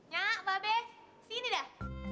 nya babe sini dah